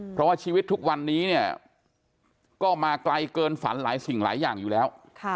เพราะว่าชีวิตทุกวันนี้เนี่ยก็มาไกลเกินฝันหลายสิ่งหลายอย่างอยู่แล้ว